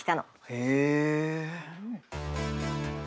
へえ。